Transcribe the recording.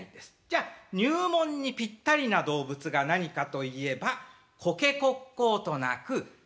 じゃ入門にピッタリな動物が何かといえばコケコッコーと鳴く鶏。